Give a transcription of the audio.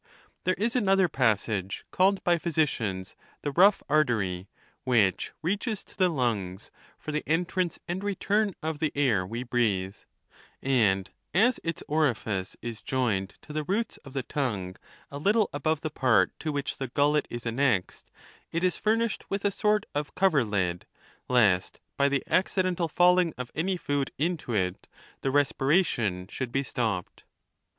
There is another passage, called by physicians the rough artery,'' which reaches to the lungs, for the en trance and return of the air we breathe ; and as its orifice is joined to the roots of the tongue a little above the part to which the gullet is annexed, it is furnished with a sort of coverlid,' lest, by the accidental falling of any food into it, the respiration should be stopped.